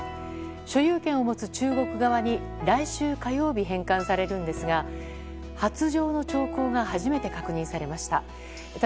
所有権を持つ中国側に来週火曜日、返還されるのですが発情の兆候が初めて確認されました。